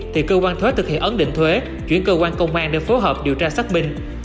thì cơ quan thuế thực hiện ấn định thuế chuyển cơ quan công an để phối hợp điều tra xác minh